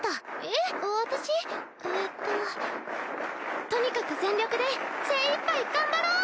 えっととにかく全力で精いっぱい頑張ろう！